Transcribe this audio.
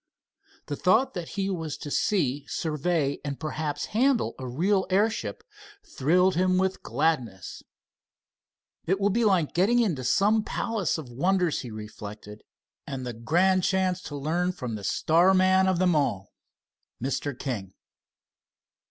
The thought that he was to see, survey and perhaps handle a real airship thrilled him with gladness. "It will be like getting into some palace of wonders," he reflected, "and the grand chance to learn from the star man of them all, Mr. King."